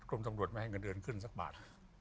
ตำรวจไม่ให้เงินเดือนขึ้นสักบาท